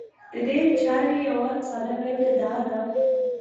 د دې چارې يوه ساده بېلګه دا ده